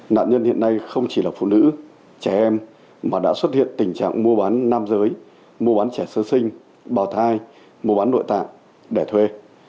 nạn nhân hiện nay không chỉ là phụ nữ trẻ em mà đã xuất hiện tình trạng mua bán nam giới mua bán trẻ sơ sinh bào thai mua bán nội tạng để thuê